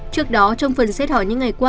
trước đó trong phần xếp hỏi những ngày qua